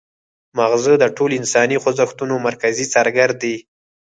مغزه د ټولو انساني خوځښتونو مرکزي څارګر دي